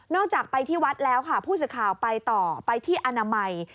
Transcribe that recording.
จากไปที่วัดแล้วค่ะผู้สื่อข่าวไปต่อไปที่อนามัย